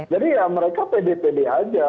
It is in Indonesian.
ya mereka pede pede aja